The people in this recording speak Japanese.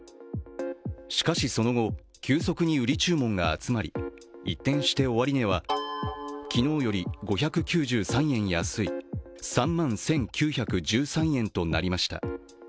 しかし、その後、急速に売り注文が集まり、一転して終値は昨日より５９３円安い３万１９１３円となりました。